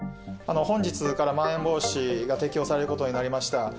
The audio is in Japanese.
本日からまん延防止が適用されることになりました。